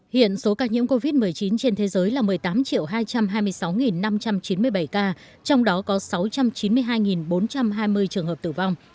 hiện số ca nhiễm covid một mươi chín trên thế giới là một mươi tám hai trăm hai mươi sáu năm trăm chín mươi bảy ca trong đó có sáu trăm chín mươi hai bốn trăm hai mươi trường hợp tử vong